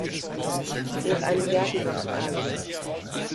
Nach einem Jahr ging er nach Asien.